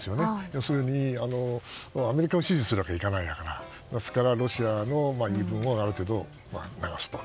要するにアメリカを支持するわけにはいかないからですからロシアの言い分をある程度、流すと。